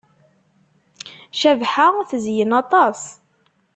Cabḥa tezyen aṭas.